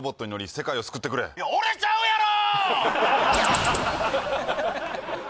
世界を救ってくれいや俺ちゃうやろ！